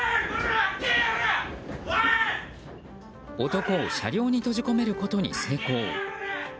男を車両に閉じ込めることに成功。